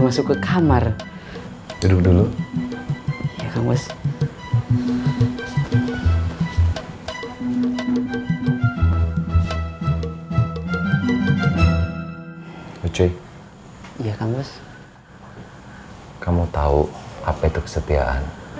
hai cuy iya kan bos kamu tahu apa itu kesetiaan